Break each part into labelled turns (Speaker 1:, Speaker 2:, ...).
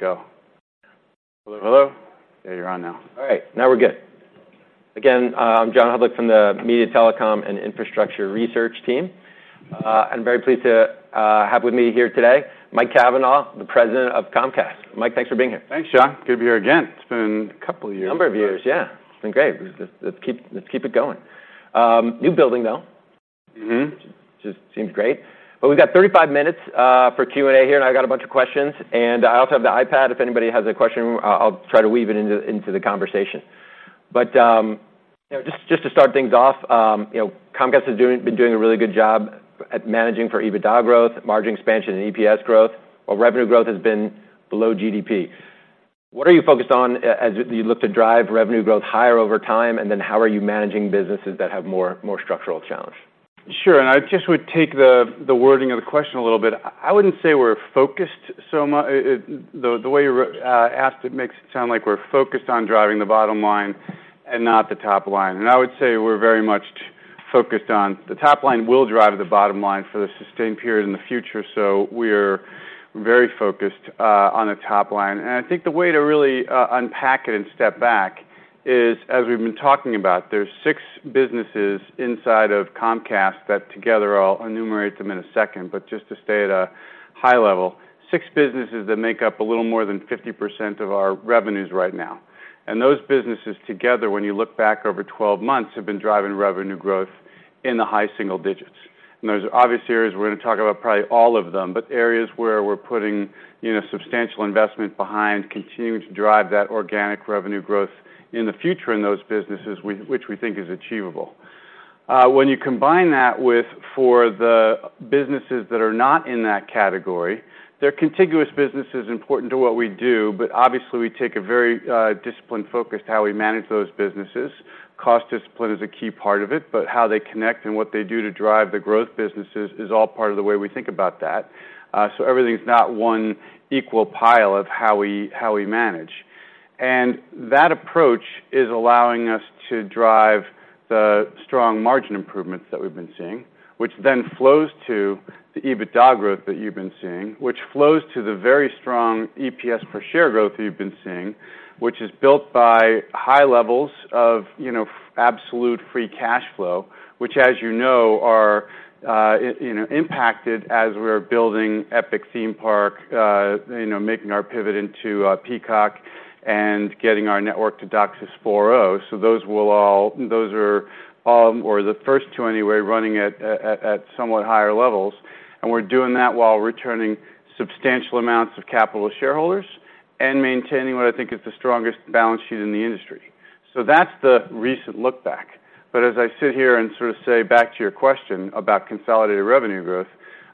Speaker 1: Good to go. Hello, hello?
Speaker 2: Yeah, you're on now.
Speaker 1: All right, now we're good. Again, I'm John Hodulik from the Media, Telecom, and Infrastructure Research team. I'm very pleased to have with me here today, Mike Cavanagh, the President of Comcast. Mike, thanks for being here.
Speaker 2: Thanks, John. Good to be here again. It's been a couple of years.
Speaker 1: A number of years, yeah. It's been great. Let's just—let's keep it going. New building, though.
Speaker 2: Mm-hmm.
Speaker 1: Just seems great. But we've got 35 minutes for Q&A here, and I've got a bunch of questions, and I also have the iPad. If anybody has a question, I'll try to weave it into the conversation. But you know, just to start things off you know, Comcast has been doing a really good job at managing for EBITDA growth, margin expansion, and EPS growth, while revenue growth has been below GDP. What are you focused on as you look to drive revenue growth higher over time, and then how are you managing businesses that have more structural challenge?
Speaker 2: Sure. And I just would take the wording of the question a little bit. I wouldn't say we're focused so much... the way you asked, it makes it sound like we're focused on driving the bottom line and not the top line. And I would say we're very much focused on the top line will drive the bottom line for the sustained period in the future. So we're very focused on the top line. And I think the way to really unpack it and step back is, as we've been talking about, there's six businesses inside of Comcast that together, I'll enumerate them in a second, but just to stay at a high level, six businesses that make up a little more than 50% of our revenues right now. Those businesses together, when you look back over 12 months, have been driving revenue growth in the high single digits. There's obvious areas we're gonna talk about, probably all of them, but areas where we're putting, you know, substantial investment behind continuing to drive that organic revenue growth in the future in those businesses, which we think is achievable. When you combine that with, for the businesses that are not in that category, they're contiguous businesses important to what we do, but obviously, we take a very, disciplined focus to how we manage those businesses. Cost discipline is a key part of it, but how they connect and what they do to drive the growth businesses is all part of the way we think about that. So everything's not one equal pile of how we, how we manage. And that approach is allowing us to drive the strong margin improvements that we've been seeing, which then flows to the EBITDA growth that you've been seeing, which flows to the very strong EPS per share growth you've been seeing, which is built by high levels of, you know, absolute free cash flow, which, as you know, are impacted as we're building Epic Universe, you know, making our pivot into Peacock, and getting our network to DOCSIS 4.0. So those are all, or the first two, anyway, running at somewhat higher levels. And we're doing that while returning substantial amounts of capital to shareholders and maintaining what I think is the strongest balance sheet in the industry. So that's the recent look back. But as I sit here and sort of say back to your question about consolidated revenue growth,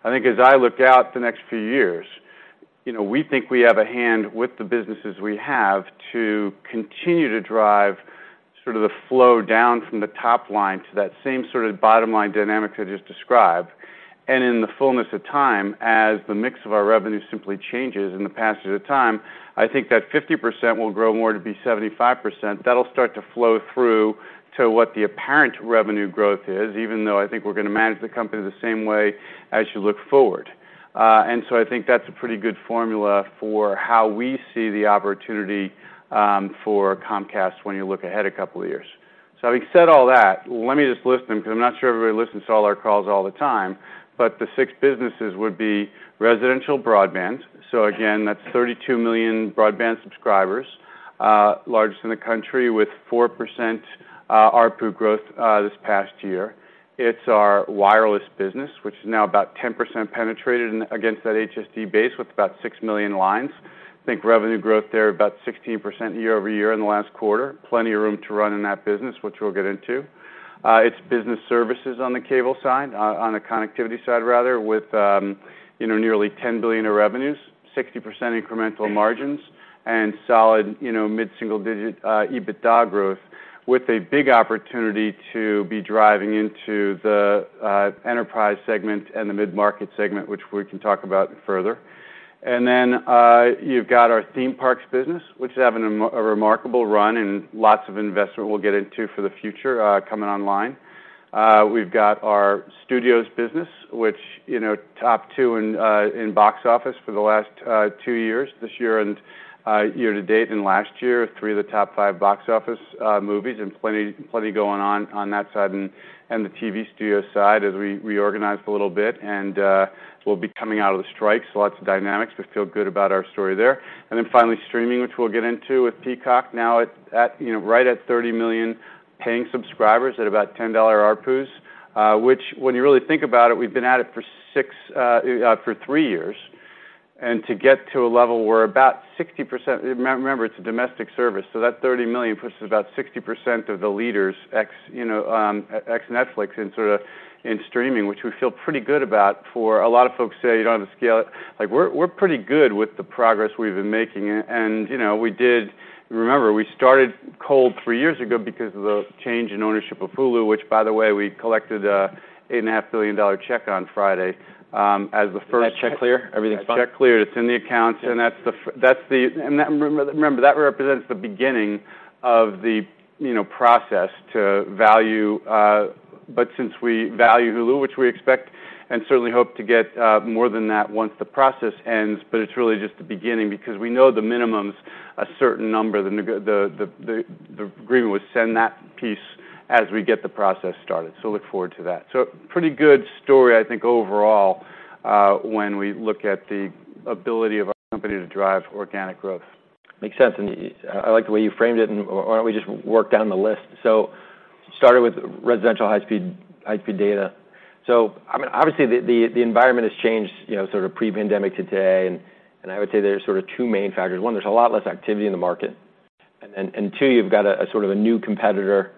Speaker 2: I think as I look out the next few years, you know, we think we have a hand with the businesses we have to continue to drive sort of the flow down from the top line to that same sort of bottom line dynamics I just described. And in the fullness of time, as the mix of our revenue simply changes in the passage of time, I think that 50% will grow more to be 75%. That'll start to flow through to what the apparent revenue growth is, even though I think we're gonna manage the company the same way as you look forward. And so I think that's a pretty good formula for how we see the opportunity for Comcast when you look ahead a couple of years. So having said all that, let me just list them, because I'm not sure everybody listens to all our calls all the time, but the six businesses would be: residential broadband. So again, that's 32 million broadband subscribers, largest in the country, with 4% ARPU growth this past year. It's our wireless business, which is now about 10% penetrated against that HSD base with about 6 million lines. I think revenue growth there about 16% year-over-year in the last quarter. Plenty of room to run in that business, which we'll get into. It's business services on the cable side, on the connectivity side, rather, with you know, nearly $10 billion of revenues, 60% incremental margins, and solid you know, mid-single-digit EBITDA growth, with a big opportunity to be driving into the, enterprise segment and the mid-market segment, which we can talk about further. And then, you've got our theme parks business, which is having a remarkable run and lots of investment we'll get into for the future, coming online. We've got our studios business, which you know, top two in box office for the last two years, this year and year-to-date and last year, three of the top five box office movies, and plenty, plenty going on, on that side and the TV studio side as we reorganized a little bit, and we'll be coming out of the strikes. Lots of dynamics, but feel good about our story there. And then finally, streaming, which we'll get into with Peacock now at you know, right at 30 million paying subscribers at about $10 ARPUs. Which, when you really think about it, we've been at it for six, for three years. And to get to a level where about 60%... Remember, it's a domestic service, so that 30 million puts us about 60% of the leaders ex-Netflix in sort in streaming, which we feel pretty good about. For a lot of folks say you don't have to scale it. Like, we're pretty good with the progress we've been making. And, you know, we did remember, we started cold three years ago because of the change in ownership of Hulu, which, by the way, we collected an $8.5 billion check on Friday as the first-
Speaker 1: Is that check clear? Everything's fine.
Speaker 2: That check cleared. It's in the account, and that's the... And that, remember, that represents the beginning of the, you know, process to value, but since we value Hulu, which we expect and certainly hope to get more than that once the process ends, but it's really just the beginning because we know the minimum's a certain number. The agreement was send that piece as we get the process started. So look forward to that. So pretty good story, I think, overall, when we look at the ability of our company to drive organic growth.
Speaker 1: Makes sense. And I like the way you framed it, and why don't we just work down the list? So started with residential high-speed, high-speed data. So I mean, obviously, the environment has changed, you know, sort of pre-pandemic to today, and I would say there are sort of two main factors. One, there's a lot less activity in the market, and two, you've got a sort of a new competitor,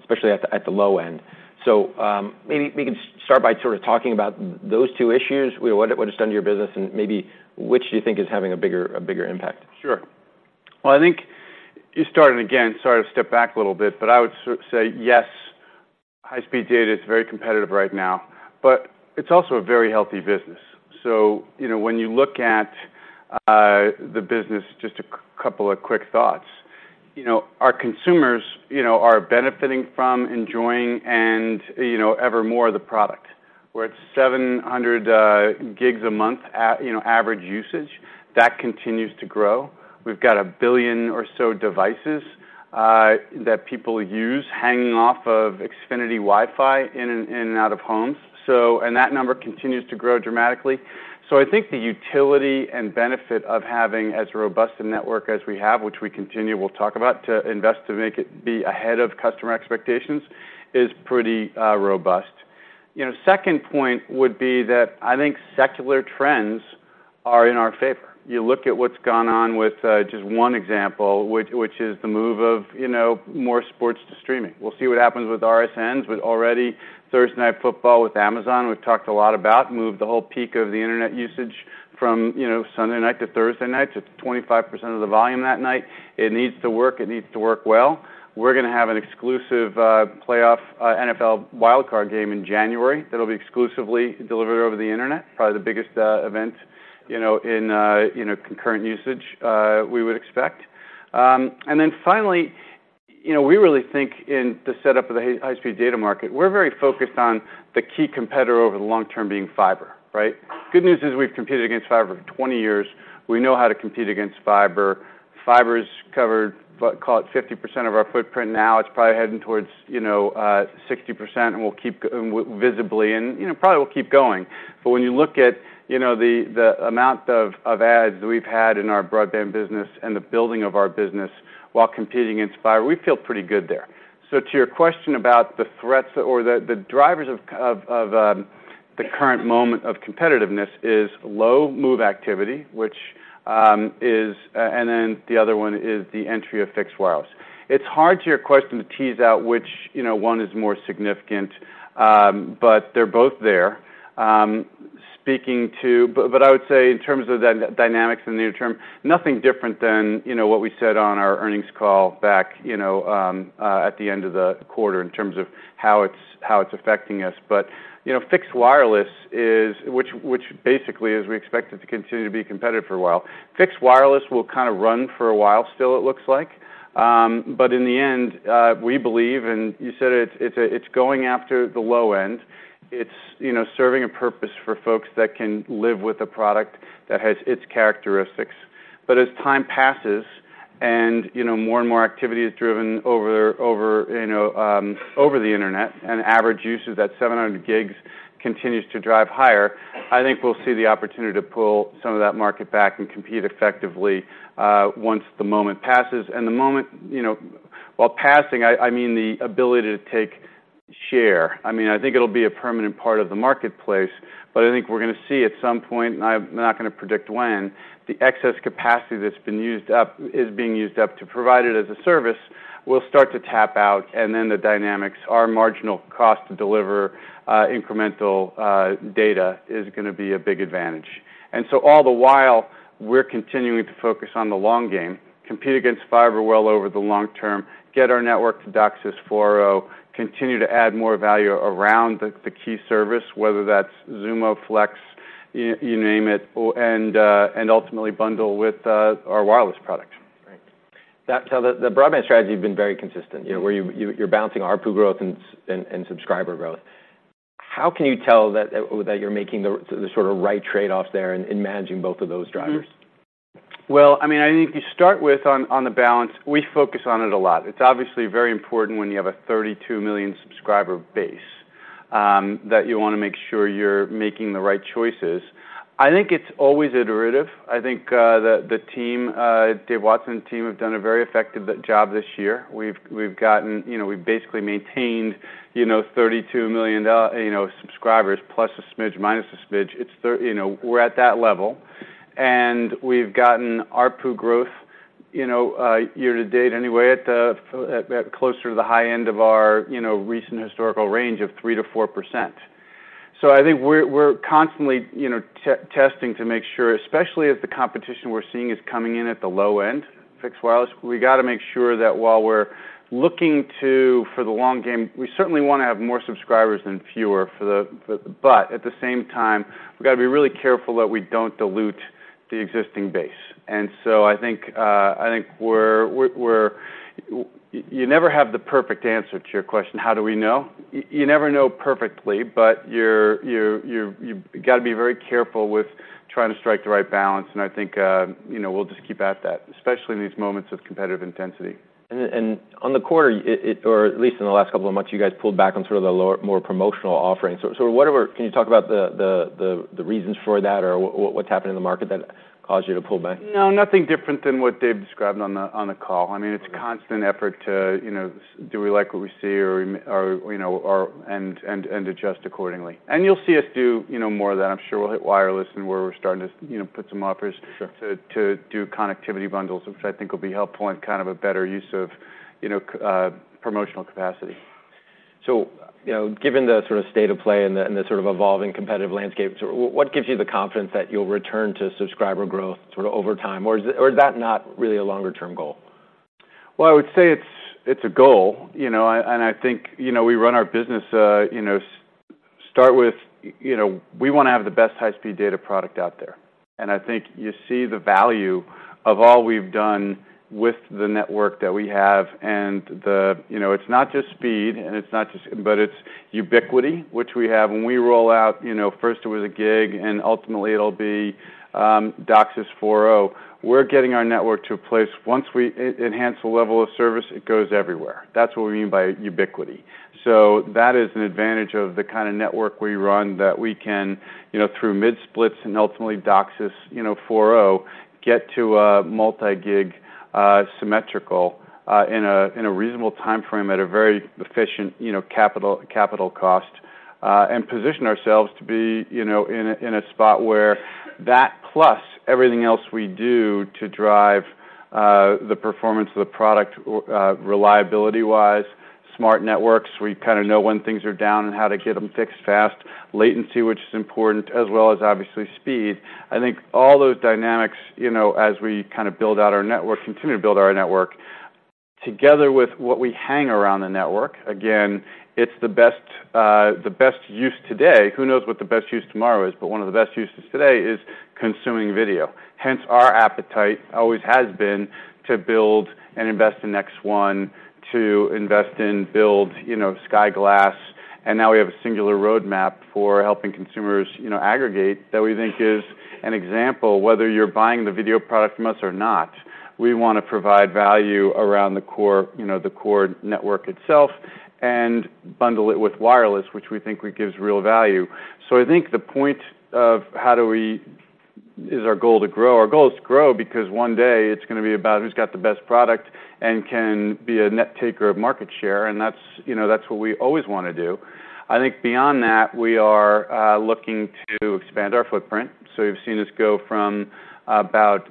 Speaker 1: especially at the low end. So, maybe we can start by sort of talking about those two issues, what it's done to your business, and maybe which do you think is having a bigger impact?
Speaker 2: Sure. Well, I think you started again, sorry to step back a little bit, but I would say, yes, high-speed data is very competitive right now, but it's also a very healthy business. So, you know, when you look at the business, just a couple of quick thoughts. You know, our consumers you know, are benefiting from enjoying and you know, ever more of the product, where it's 700 gigs a month you know, average usage, that continues to grow. We've got 1 billion or so devices that people use hanging off of Xfinity Wi-Fi in and out of homes. So, and that number continues to grow dramatically. So I think the utility and benefit of having as robust a network as we have, which we continue, we'll talk about, to invest to make it be ahead of customer expectations, is pretty robust. You know, second point would be that I think secular trends are in our favor. You look at what's gone on with just one example, which is the move of, you know, more sports to streaming. We'll see what happens with RSNs, with already Thursday Night Football, with Amazon. We've talked a lot about, moved the whole peak of the internet usage from, you know, Sunday night to Thursday night to 25% of the volume that night. It needs to work. It needs to work well. We're gonna have an exclusive playoff NFL wild card game in January that'll be exclusively delivered over the internet. Probably the biggest event, you know, in, you know, concurrent usage we would expect. And then finally, you know, we really think in the setup of the high-speed data market, we're very focused on the key competitor over the long term being fiber, right? Good news is we've competed against fiber for 20 years. We know how to compete against fiber. Fiber is covered, but call it 50% of our footprint now. It's probably heading towards you know, 60%, and we'll keep visibly, and, you know, probably will keep going. But when you look at, you know, the amount of adds we've had in our broadband business and the building of our business while competing against fiber, we feel pretty good there. So to your question about the threats or the drivers of the current moment of competitiveness is low move activity, which is, and then the other one is the entry of fixed wireless. It's hard, to your question, to tease out which, you know, one is more significant, but they're both there. But I would say in terms of the dynamics in the near term, nothing different than, you know, what we said on our earnings call back, you know, at the end of the quarter in terms of how it's affecting us. But you know, fixed wireless, which basically is we expect it to continue to be competitive for a while, fixed wireless will kind of run for a while still, it looks like. But in the end, we believe and you said it, it's going after the low end. It's you know, serving a purpose for folks that can live with a product that has its characteristics. But as time passes and you know, more and more activity is driven over the internet, and average usage, that 700 GB continues to drive higher, I think we'll see the opportunity to pull some of that market back and compete effectively, once the moment passes. And the moment you know, while passing, I mean, the ability to take share. I mean, I think it'll be a permanent part of the marketplace, but I think we're going to see at some point, and I'm not going to predict when, the excess capacity that's been used up is being used up to provide it as a service, will start to tap out, and then the dynamics, our marginal cost to deliver incremental data is going to be a big advantage. And so all the while, we're continuing to focus on the long game, compete against fiber well over the long term, get our network to DOCSIS 4.0, continue to add more value around the key service, whether that's Xumo, Flex, you name it, or and ultimately bundle with our wireless product.
Speaker 1: Right. So the broadband strategy has been very consistent, you know, where you're balancing ARPU growth and subscriber growth. How can you tell that you're making the sort of right trade-offs there in managing both of those drivers?
Speaker 2: Well, I mean, I think you start with on the balance, we focus on it a lot. It's obviously very important when you have a 32 million subscriber base that you want to make sure you're making the right choices. I think it's always iterative. I think the team, Dave Watson and team have done a very effective job this year. We've gotten, you know, we've basically maintained you know, 32 million subscribers, plus a smidge, minus a smidge. It's you know, we're at that level, and we've gotten ARPU growth you know, year-to-date anyway, at closer to the high end of our you know, recent historical range of 3%-4%. So I think we're constantly, you know, testing to make sure, especially as the competition we're seeing is coming in at the low end, fixed wireless, we got to make sure that while we're looking to for the long game, we certainly want to have more subscribers than fewer, but at the same time, we've got to be really careful that we don't dilute the existing base. And so I think we're you never have the perfect answer to your question, how do we know? You never know perfectly, but you've got to be very careful with trying to strike the right balance. And I think you know, we'll just keep at that, especially in these moments of competitive intensity.
Speaker 1: And on the quarter, it or at least in the last couple of months, you guys pulled back on sort of the lower, more promotional offerings. So what are...can you talk about the reasons for that, or what's happening in the market that caused you to pull back?
Speaker 2: No, nothing different than what Dave described on the call. I mean, it's a constant effort to, you know, do we like what we see or you know, or and adjust accordingly. And you'll see us do you know, more of that. I'm sure we'll hit wireless and where we're starting to you know, put some offers-
Speaker 1: Sure...
Speaker 2: to do connectivity bundles, which I think will be helpful and kind of a better use of, you know, promotional capacity.
Speaker 1: You know, given the sort of state of play and the sort of evolving competitive landscape, what gives you the confidence that you'll return to subscriber growth sort of over time? Or is that not really a longer-term goal?
Speaker 2: Well, I would say it's a goal. You know, and I think you know, we run our business you know, start with you know, we want to have the best high-speed data product out there. And I think you see the value of all we've done with the network that we have and the... You know, it's not just speed, and it's not just—but it's ubiquity, which we have. When we roll out you know, first it was a gig, and ultimately it'll be DOCSIS 4.0. We're getting our network to a place, once we enhance the level of service, it goes everywhere. That's what we mean by ubiquity. So that is an advantage of the kind of network we run, that we can you know, through mid-splits and ultimately DOCSIS 4.0, get to a multi-gig symmetrical speed within a reasonable timeframe at a very efficient capital cost. And position ourselves to be you know, in a in a spot where that, plus everything else we do to drive the performance of the product, reliability-wise, smart networks, we kind of know when things are down and how to get them fixed fast, latency, which is important, as well as obviously, speed. I think all those dynamics you know, as we kind of build out our network, continue to build our network, together with what we hang around the network, again, it's the best the best use today. Who knows what the best use tomorrow is, but one of the best uses today is consuming video. Hence, our appetite always has been to build and invest in X1, to invest in, build you know, Sky Glass, and now we have a singular roadmap for helping consumers, you know, aggregate, that we think is an example, whether you're buying the video product from us or not. We want to provide value around the core, you know, the core network itself, and bundle it with wireless, which we think we gives real value. So I think the point of how do we-- is our goal to grow? Our goal is to grow, because one day it's going to be about who's got the best product and can be a net taker of market share, and that's, you know, that's what we always want to do. I think beyond that, we are looking to expand our footprint. So you've seen us go from about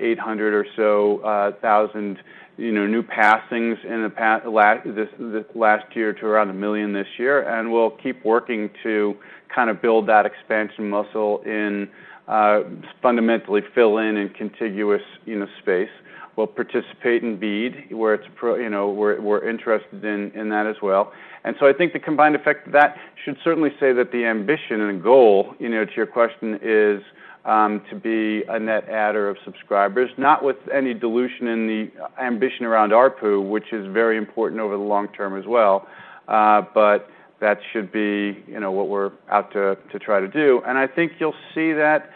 Speaker 2: 800 or so thousand you know, new passings last year to around 1 million this year, and we'll keep working to kind of build that expansion muscle and fundamentally fill in contiguous you know, space. We'll participate in BEAD, where it's you know, we're interested in that as well. And so I think the combined effect of that should certainly say that the ambition and goal, you know, to your question, is to be a net adder of subscribers, not with any dilution in the ambition around ARPU, which is very important over the long term as well, but that should be you know, what we're out to try to do. I think you'll see that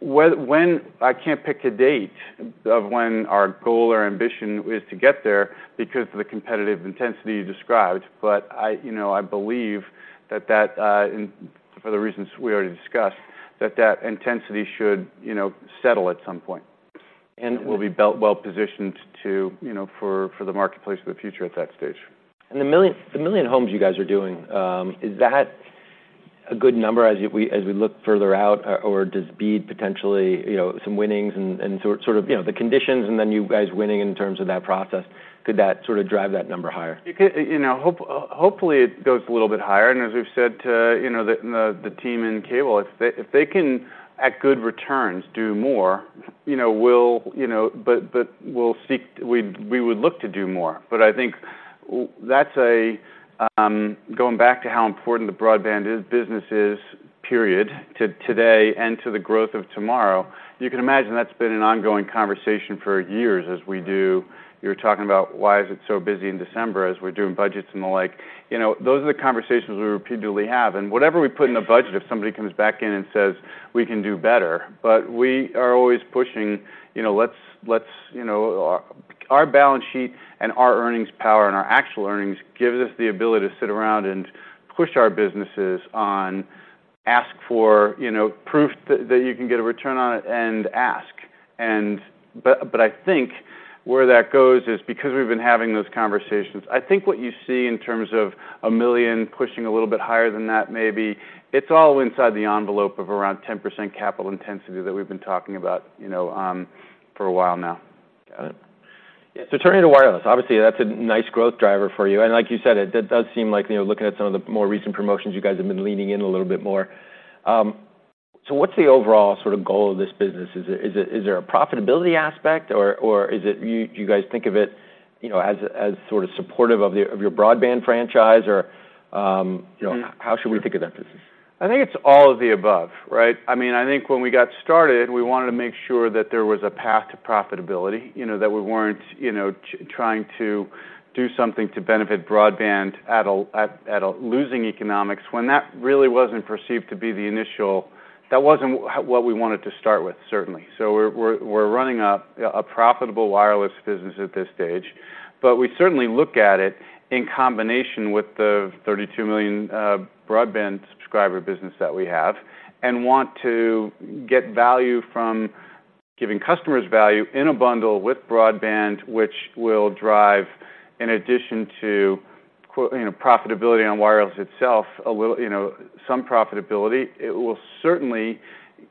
Speaker 2: when I can't pick a date of when our goal or ambition is to get there because of the competitive intensity you described, but I you know, I believe that, and for the reasons we already discussed, that intensity should, you know, settle at some point. And we'll be built well positioned to, you know, for the marketplace of the future at that stage.
Speaker 1: The 1 million homes you guys are doing, is that a good number as we look further out, or does BEAD potentially you know, some winnings and sort of, you know, the conditions and then you guys winning in terms of that process, could that sort of drive that number higher?
Speaker 2: It could you know, hopefully, it goes a little bit higher, and as we've said to, you know, the team in cable, if they can, at good returns, do more, you know, we'll, you know. But, but we'll seek—we would look to do more. But I think that's a, going back to how important the broadband is, business is, period, to today and to the growth of tomorrow. You can imagine that's been an ongoing conversation for years as we do—you're talking about why is it so busy in December as we're doing budgets and the like. You know, those are the conversations we repeatedly have. And whatever we put in the budget, if somebody comes back in and says, "We can do better," but we are always pushing, you know, let's you know our balance sheet and our earnings power and our actual earnings gives us the ability to sit around and push our businesses on ask for you know proof that you can get a return on it and ask. I think where that goes is because we've been having those conversations. I think what you see in terms of 1 million pushing a little bit higher than that, maybe it's all inside the envelope of around 10% capital intensity that we've been talking about, you know, for a while now.
Speaker 1: Got it. So turning to wireless, obviously, that's a nice growth driver for you. And like you said, it, that does seem like, you know, looking at some of the more recent promotions, you guys have been leaning in a little bit more. So what's the overall sort of goal of this business? Is it, is there a profitability aspect, or is it, you guys think of it, you know, as sort of supportive of the, of your broadband franchise? Or, you know, how should we think of that business? ...
Speaker 2: I think it's all of the above, right?I think when we got started, we wanted to make sure that there was a path to profitability, you know, that we weren't, you know, trying to do something to benefit broadband at a losing economics, when that really wasn't perceived to be the initial. That wasn't what we wanted to start with, certainly. So we're running a profitable wireless business at this stage, but we certainly look at it in combination with the 32 million broadband subscriber business that we have, and want to get value from giving customers value in a bundle with broadband, which will drive, in addition to, you know, profitability on wireless itself, a little, you know, some profitability. It will certainly,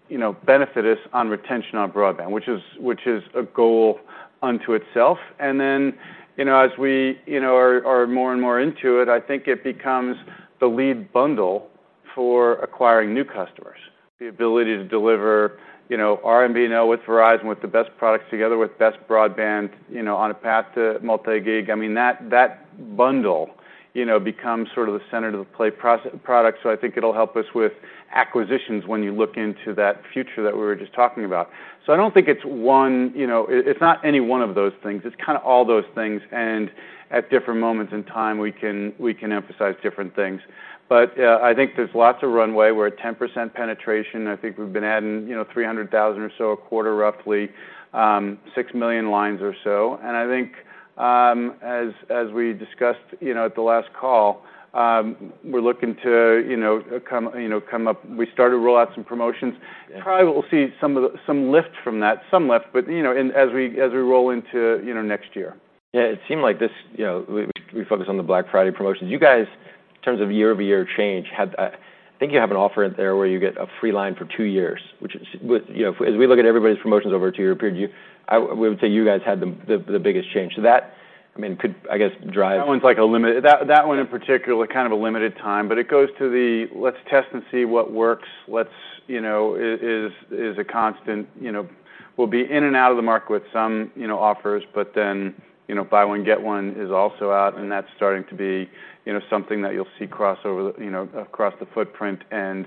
Speaker 2: you know, benefit us on retention on broadband, which is, which is a goal unto itself. And then, you know, as we, you know, are, are more and more into it, I think it becomes the lead bundle for acquiring new customers. The ability to deliver, you know, RSN now with Verizon, with the best products, together with best broadband, you know, on a path to multi-gig. I mean, that, that bundle, you know, becomes sort of the center of the play's product. So I think it'll help us with acquisitions when you look into that future that we were just talking about. So I don't think it's one, you know... It, it's not any one of those things. It's kind of all those things, and at different moments in time, we can, we can emphasize different things. But, I think there's lots of runway. We're at 10% penetration. I think we've been adding you know, 300,000 or so a quarter, roughly, 6 million lines or so. And I think, as we discussed, you know, at the last call, we're looking to, you know, come up. We started to roll out some promotions. Probably, we'll see some lift from that, some lift, but, you know, and as we roll into you know, next year.
Speaker 1: Yeah, it seemed like this, you know, we focus on the Black Friday promotions. You guys, in terms of year-over-year change, had, I think you have an offer out there where you get a free line for two years, which is, which, you know, as we look at everybody's promotions over a two-year period, you, we would say you guys had the biggest change. So that, I mean, could, I guess, drive-
Speaker 2: That one's like a limit. That one in particular is kind of a limited time, but it goes to the let's test and see what works. Let's, you know, is a constant, you know. We'll be in and out of the market with some, you know, offers, but then, you know, buy one, get one is also out, and that's starting to be, you know, something that you'll see cross over, you know, across the footprint and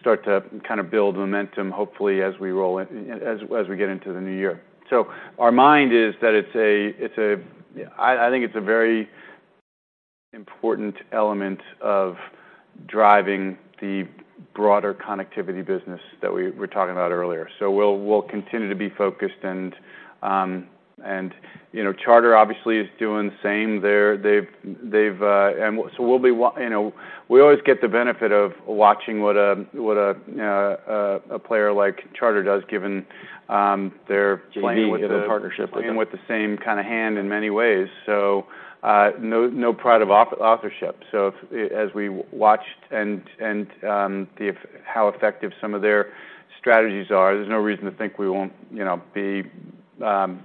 Speaker 2: start to kind of build momentum, hopefully, as we roll it - as we get into the new year. So our mind is that it's a, it's a... I think it's a very important element of driving the broader connectivity business that we were talking about earlier. So we'll continue to be focused and, and, you know, Charter obviously is doing the same. They've and so we'll be. You know, we always get the benefit of watching what a player like Charter does, given their playing with the-
Speaker 1: The partnership with them.
Speaker 2: Playing with the same kind of hand in many ways, so, no, no pride of authorship. So as we watched how effective some of their strategies are, there's no reason to think we won't, you know, be copying,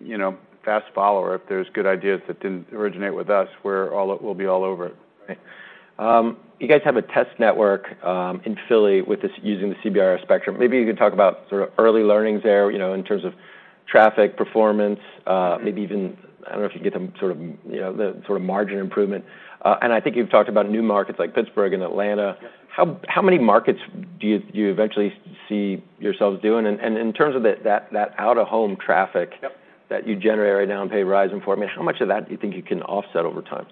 Speaker 2: you know, fast follower. If there's good ideas that didn't originate with us, we'll be all over it.
Speaker 1: Right. You guys have a test network in Philadelphia with this, using the CBRS spectrum. Maybe you could talk about sort of early learnings there, you know, in terms of traffic, performance, maybe even, I don't know if you get some sort of, you know, the sort of margin improvement. And I think you've talked about new markets like Pittsburgh and Atlanta.
Speaker 2: Yeah.
Speaker 1: How many markets do you eventually see yourselves doing? And in terms of that out-of-home traffic-
Speaker 2: Yep...
Speaker 1: that you generate right now and pay Verizon for, I mean, how much of that do you think you can offset over time?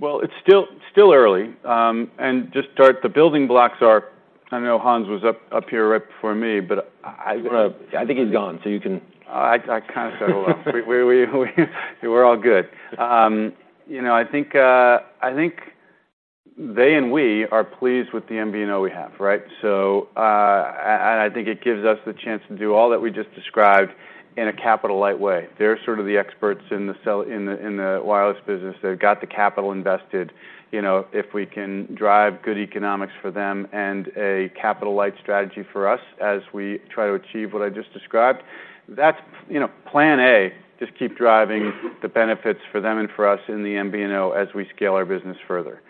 Speaker 2: Well, it's still early, and the building blocks are... I know Hans was up here right before me, but I-
Speaker 1: I think he's gone, so you can-
Speaker 2: I kind of settled up. We're all good. You know, I think they and we are pleased with the MVNO we have, right? So, and I think it gives us the chance to do all that we just described in a capital light way. They're sort of the experts in the wireless business. They've got the capital invested, you know, if we can drive good economics for them and a capital light strategy for us, as we try to achieve what I just described, that's, you know, plan A, just keep driving the benefits for them and for us in the MVNO as we scale our business further.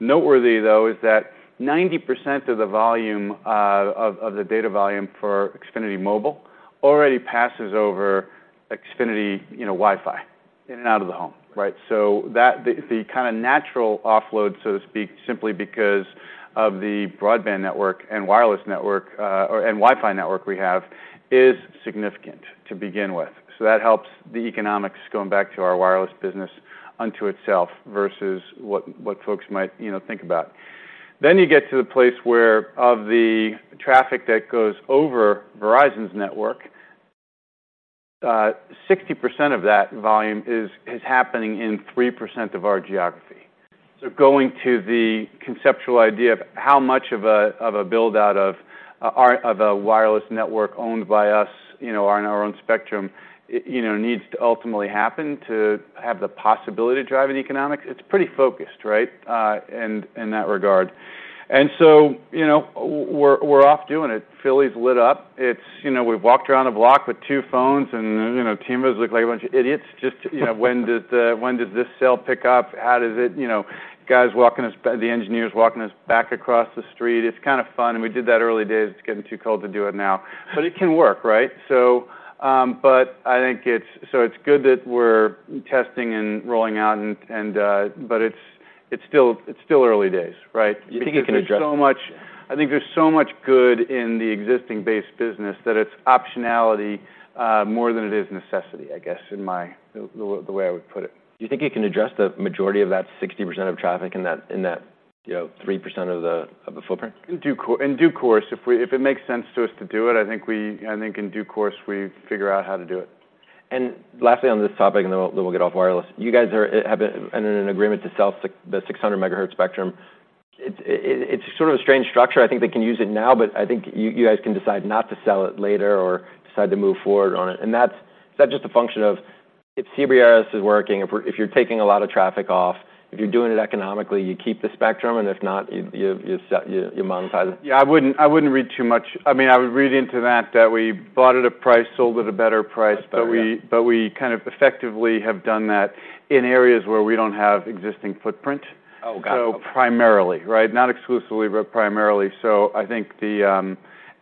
Speaker 2: Noteworthy, though, is that 90% of the volume of the data volume for Xfinity Mobile already passes over Xfinity, you know, Wi-Fi in and out of the home, right? So that, the kind of natural offload, so to speak, simply because of the broadband network and wireless network and Wi-Fi network we have, is significant to begin with. So that helps the economics going back to our wireless business unto itself, versus what folks might, you know, think about. Then you get to the place where, of the traffic that goes over Verizon's network, 60% of that volume is happening in 3% of our geography. So going to the conceptual idea of how much of a build-out of a wireless network owned by us, you know, on our own spectrum, it, you know, needs to ultimately happen to have the possibility to drive an economic. It's pretty focused, right, in that regard. So, you know, we're off doing it. Philadelphia's lit up. It's, you know, we've walked around a block with two phones, and, you know, teams look like a bunch of idiots. Just, you know, when does this cell pick up? How does it, you know... Guys walking us back, the engineers walking us back across the street. It's kind of fun, and we did that early days. It's getting too cold to do it now, but it can work, right? So, it's good that we're testing and rolling out, and... It's still, it's still early days, right?
Speaker 1: Do you think you can address-
Speaker 2: There's so much. I think there's so much good in the existing base business that it's optionality, more than it is necessity, I guess, in the way I would put it.
Speaker 1: Do you think you can address the majority of that 60% of traffic in that, you know, 3% of the footprint?
Speaker 2: In due course, if it makes sense to us to do it, I think in due course, we figure out how to do it.
Speaker 1: And lastly, on this topic, and then we'll get off wireless. You guys have been in an agreement to sell the 600 megahertz spectrum. It's sort of a strange structure. I think they can use it now, but I think you guys can decide not to sell it later or decide to move forward on it. Is that just a function of if CBRS is working, if you're taking a lot of traffic off, if you're doing it economically, you keep the spectrum, and if not, you sell—you monetize it?
Speaker 2: Yeah, I wouldn't read too much... I mean, I would read into that, that we bought at a price, sold at a better price-
Speaker 1: Oh, yeah.
Speaker 2: but we kind of effectively have done that in areas where we don't have existing footprint.
Speaker 1: Oh, got it.
Speaker 2: So primarily, right? Not exclusively, but primarily. So I think the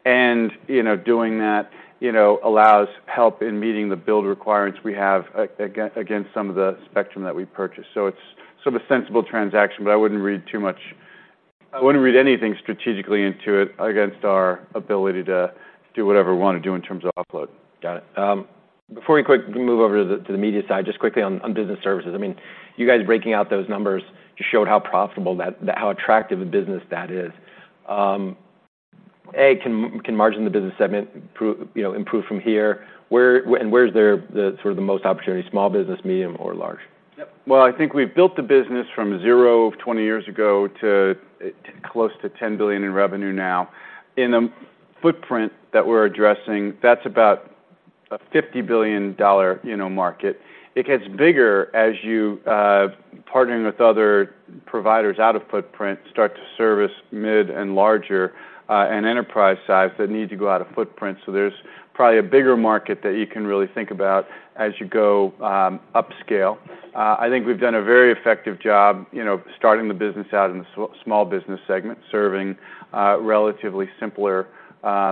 Speaker 2: And, you know, doing that, you know, allows help in meeting the build requirements we have against some of the spectrum that we purchased. So it's sort of a sensible transaction, but I wouldn't read too much - I wouldn't read anything strategically into it against our ability to do whatever we want to do in terms of offload.
Speaker 1: Got it. Before we quickly move over to the media side, just quickly on business services. I mean, you guys breaking out those numbers just showed how profitable that is, how attractive a business that is. Can margin the business segment improve, you know, improve from here? And where's the sort of the most opportunity, small business, medium, or large?
Speaker 2: Well, I think we've built the business from zero 20 years ago to close to $10 billion in revenue now. In a footprint that we're addressing, that's about a $50 billion, you know, market. It gets bigger as you partnering with other providers out of footprint, start to service mid and larger, and enterprise size that need to go out of footprint. So there's probably a bigger market that you can really think about as you go upscale. I think we've done a very effective job, you know, starting the business out in the small business segment, serving relatively simpler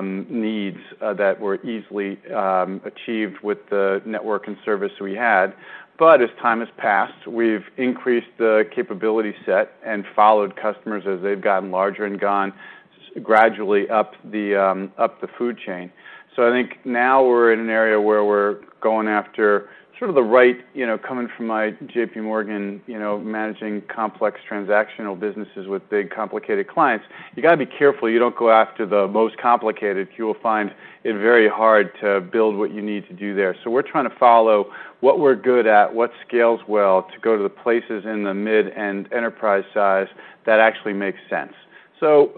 Speaker 2: needs that were easily achieved with the network and service we had. But as time has passed, we've increased the capability set and followed customers as they've gotten larger and gone gradually up the food chain. So I think now we're in an area where we're going after sort of the right, you know, coming from my JPMorgan, you know, managing complex transactional businesses with big complicated clients. You got to be careful you don't go after the most complicated. You will find it very hard to build what you need to do there. So we're trying to follow what we're good at, what scales well, to go to the places in the mid and enterprise size that actually makes sense. So,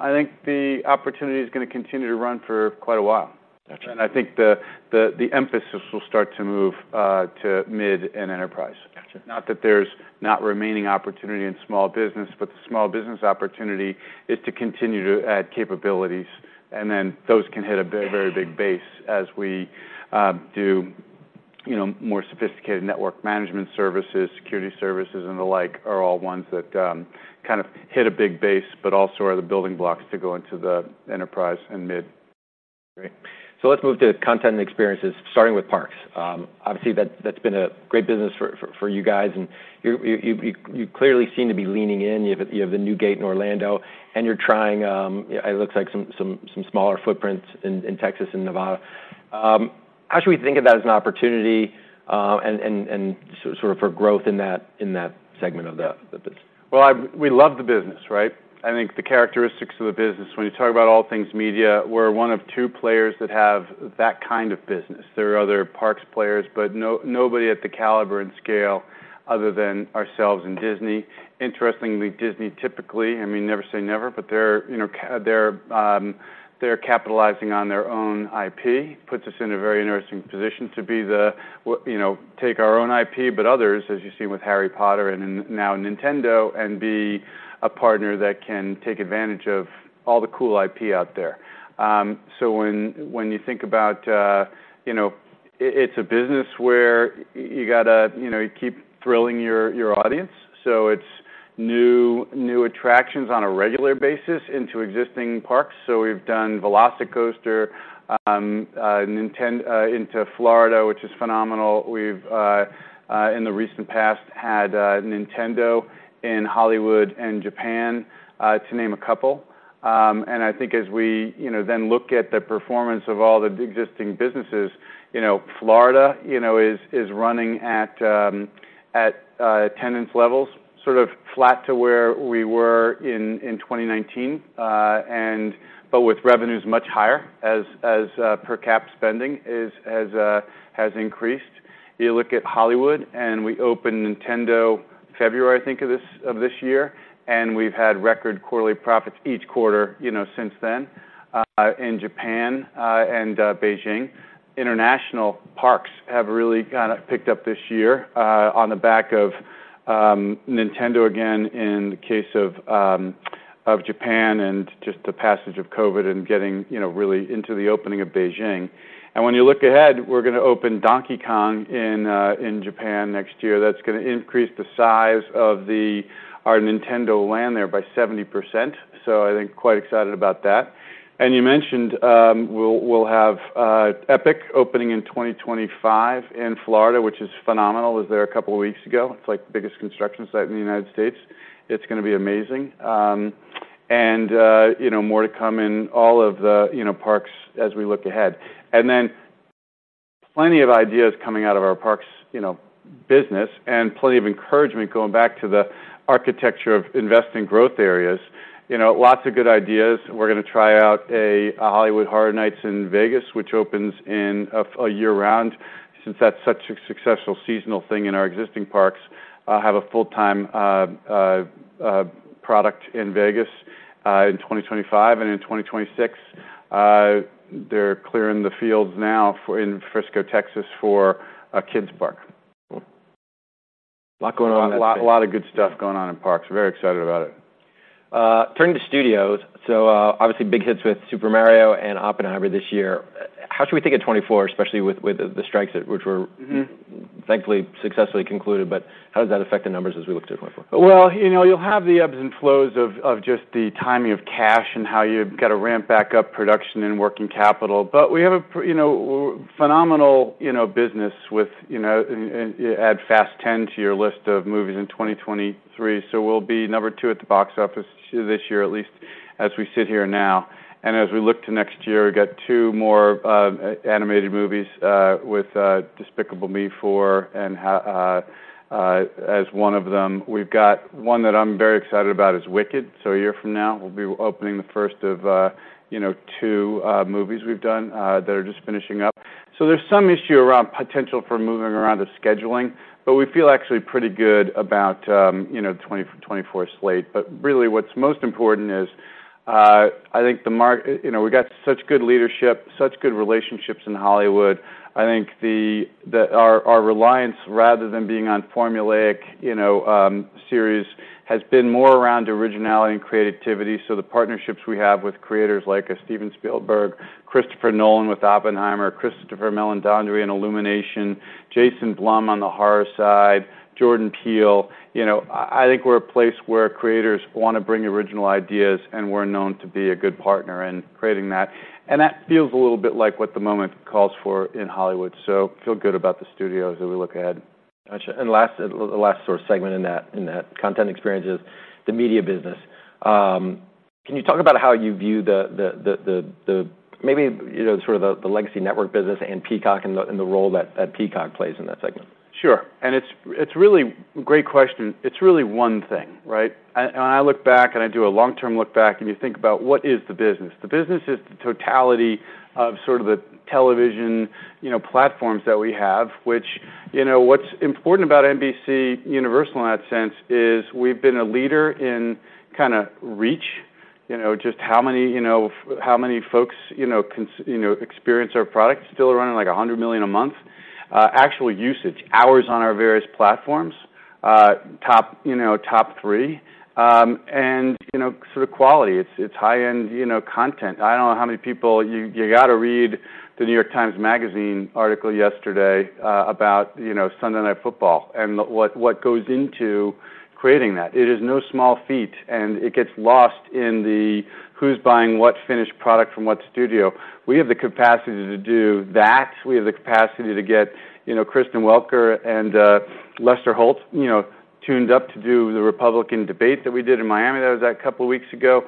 Speaker 2: I think the opportunity is gonna continue to run for quite a while.
Speaker 1: Got you.
Speaker 2: I think the emphasis will start to move to mid and enterprise.
Speaker 1: Got you.
Speaker 2: Not that there's not remaining opportunity in small business, but the small business opportunity is to continue to add capabilities, and then those can hit a very, very big base as we do, you know, more sophisticated network management services, security services, and the like, are all ones that kind of hit a big base, but also are the building blocks to go into the enterprise and mid.
Speaker 1: Great. So let's move to content and experiences, starting with parks. Obviously, that's been a great business for you guys, and you clearly seem to be leaning in. You have the Epic Universe in Orlando, and you're trying, it looks like some smaller footprints in Texas and Nevada. How should we think of that as an opportunity, and sort of for growth in that segment of the business?
Speaker 2: Well, we love the business, right? I think the characteristics of the business, when you talk about all things media, we're one of two players that have that kind of business. There are other parks players, but nobody at the caliber and scale other than ourselves and Disney. Interestingly, Disney, typically, I mean, never say never, but they're, you know, they're capitalizing on their own IP, puts us in a very interesting position to be the, well, you know, take our own IP, but others, as you see with Harry Potter and now Nintendo, and be a partner that can take advantage of all the cool IP out there. So when you think about, you know, it, it's a business where you got to, you know, you keep thrilling your audience. So it's new, new attractions on a regular basis into existing parks. So we've done VelociCoaster into Florida, which is phenomenal. We've in the recent past had Nintendo in Hollywood and Japan to name a couple. And I think as we, you know, then look at the performance of all the existing businesses, you know, Florida, you know, is running at attendance levels, sort of flat to where we were in 2019, and but with revenues much higher as per cap spending has increased. You look at Hollywood, and we opened Nintendo February, I think, of this year, and we've had record quarterly profits each quarter, you know, since then. In Japan and Beijing, international parks have really kind of picked up this year on the back of Nintendo again, in the case of Japan and just the passage of COVID and getting, you know, really into the opening of Beijing. And when you look ahead, we're gonna open Donkey Kong in Japan next year. That's gonna increase the size of our Nintendo land there by 70%. So I think quite excited about that. And you mentioned, we'll have Epic opening in 2025 in Florida, which is phenomenal. I was there a couple of weeks ago. It's like the biggest construction site in the United States. It's gonna be amazing. And you know, more to come in all of the, you know, parks as we look ahead. And then plenty of ideas coming out of our parks, you know, business, and plenty of encouragement going back to the architecture of investing growth areas. You know, lots of good ideas. We're gonna try out a Halloween Horror Nights in Vegas, which opens year-round, since that's such a successful seasonal thing in our existing parks. Have a full-time product in Vegas in 2025, and in 2026, they're clearing the fields now in Frisco, Texas, for a kids park.
Speaker 1: A lot going on-
Speaker 2: A lot, a lot of good stuff going on in parks. Very excited about it.
Speaker 1: Turning to studios, so, obviously big hits with Super Mario and Oppenheimer this year. How should we think of 2024, especially with the strikes, which were-
Speaker 2: Mm-hmm
Speaker 1: Thankfully successfully concluded, but how does that affect the numbers as we look to 2024?
Speaker 2: Well, you know, you'll have the ebbs and flows of, of just the timing of cash and how you've got to ramp back up production and working capital. But we have a you know, phenomenal, you know, business with, you know... And, and add Fast X to your list of movies in 2023. So we'll be number two at the box office this year, at least as we sit here now. And as we look to next year, we've got two more, animated movies, with, Despicable Me 4, and as one of them. We've got one that I'm very excited about is Wicked. So a year from now, we'll be opening the first of, you know, two, movies we've done, that are just finishing up. So there's some issue around potential for moving around the scheduling, but we feel actually pretty good about, you know, 2024 slate. But really, what's most important is, I think the market, you know, we got such good leadership, such good relationships in Hollywood. I think that our, our reliance, rather than being on formulaic, you know, series, has been more around originality and creativity. So the partnerships we have with creators like a Steven Spielberg, Christopher Nolan with Oppenheimer, Chris Meledandri in Illumination, Jason Blum on the horror side, Jordan Peele. You know, I think we're a place where creators wanna bring original ideas, and we're known to be a good partner in creating that. And that feels a little bit like what the moment calls for in Hollywood, so feel good about the studios as we look ahead.
Speaker 1: Got you. Last, the last sort of segment in that, in that content experience is the media business. Can you talk about how you view the maybe, you know, sort of the legacy network business and Peacock and the, and the role that Peacock plays in that segment?
Speaker 2: Sure. And it's, it's really great question. It's really one thing, right? And, and I look back, and I do a long-term look back, and you think about what is the business? The business is the totality of sort of the television, you know, platforms that we have, which, you know, what's important about NBCUniversal in that sense, is we've been a leader in kinda reach, you know, just how many, you know, f- how many folks, you know, cons- you know, experience our products, still running like 100 million a month. Actual usage, hours on our various platforms, top, you know, top three. And, you know, sort of quality. It's, it's high-end, you know, content. I don't know how many people you, you got to read the New York Times magazine article yesterday about, you know, Sunday Night Football and what, what goes into creating that. It is no small feat, and it gets lost in the who's buying what finished product from what studio. We have the capacity to do that. We have the capacity to get, you know, Kristen Welker and, Lester Holt, you know, tuned up to do the Republican debate that we did in Miami. That was that couple of weeks ago.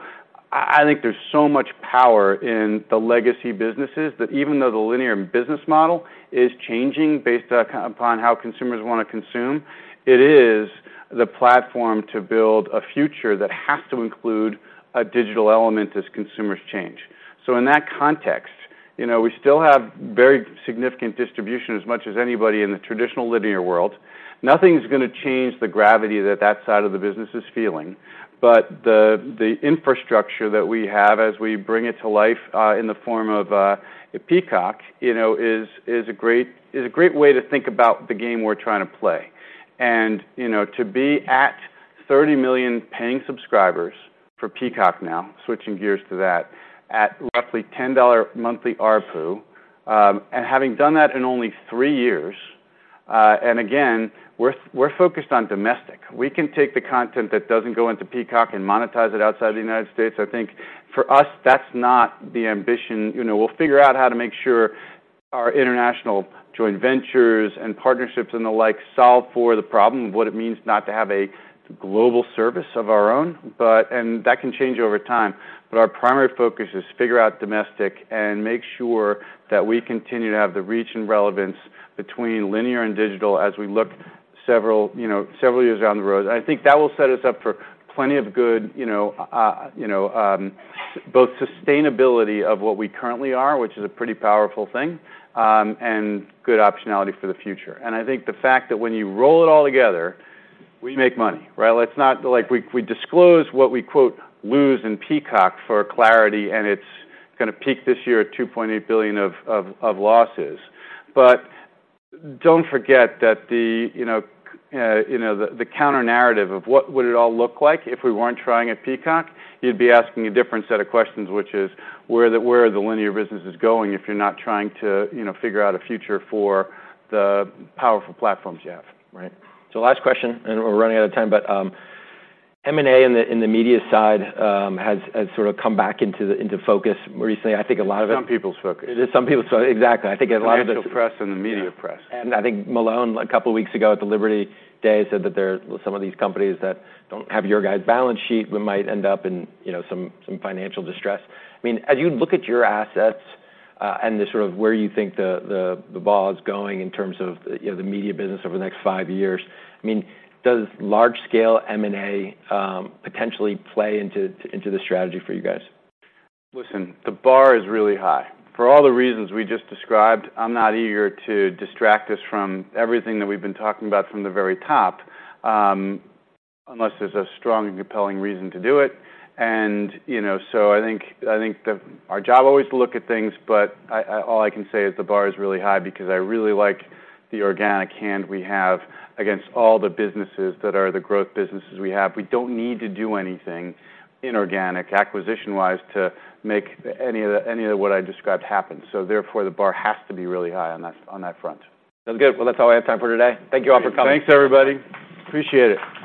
Speaker 2: I, I think there's so much power in the legacy businesses that even though the linear business model is changing based upon how consumers wanna consume, it is the platform to build a future that has to include a digital element as consumers change. So in that context, you know, we still have very significant distribution as much as anybody in the traditional linear world. Nothing's gonna change the gravity that that side of the business is feeling, but the infrastructure that we have as we bring it to life in the form of Peacock, you know, is a great way to think about the game we're trying to play. And, you know, to be at 30 million paying subscribers for Peacock now, switching gears to that, at roughly $10 monthly ARPU, and having done that in only 3 years. And again, we're focused on domestic. We can take the content that doesn't go into Peacock and monetize it outside the United States. I think for us, that's not the ambition. You know, we'll figure out how to make sure our international joint ventures and partnerships, and the like, solve for the problem of what it means not to have a global service of our own, but and that can change over time. But our primary focus is figure out domestic and make sure that we continue to have the reach and relevance between linear and digital as we look several, you know, several years down the road. I think that will set us up for plenty of good, you know, you know, both sustainability of what we currently are, which is a pretty powerful thing, and good optionality for the future. And I think the fact that when you roll it all together, we make money, right? Let's like, we disclose what we quote, "lose in Peacock" for clarity, and it's gonna peak this year at $2.8 billion of losses. But don't forget that the, you know, you know, the counter narrative of what would it all look like if we weren't trying at Peacock, you'd be asking a different set of questions, which is: where are the linear businesses going if you're not trying to, you know, figure out a future for the powerful platforms you have, right?
Speaker 1: So last question, and we're running out of time, but, M&A in the media side has sort of come back into focus recently. I think a lot of-
Speaker 2: Some people's focus.
Speaker 1: It is some people's exactly. I think a lot of the-
Speaker 2: Financial press and the media press.
Speaker 1: I think Malone, a couple of weeks ago at the Liberty Investor Day, said that there are some of these companies that don't have your guys' balance sheet, but might end up in, you know, some financial distress. I mean, as you look at your assets, and the sort of where you think the ball is going in terms of, you know, the media business over the next five years, I mean, does large scale M&A potentially play into the strategy for you guys?
Speaker 2: Listen, the bar is really high. For all the reasons we just described, I'm not eager to distract us from everything that we've been talking about from the very top, unless there's a strong and compelling reason to do it. And, you know, so I think our job always to look at things, but I all I can say is the bar is really high because I really like the organic hand we have against all the businesses that are the growth businesses we have. We don't need to do anything inorganic, acquisition-wise, to make any of the, any of what I described happen. So therefore, the bar has to be really high on that, on that front.
Speaker 1: That's good. Well, that's all I have time for today. Thank you all for coming.
Speaker 2: Thanks, everybody. Appreciate it.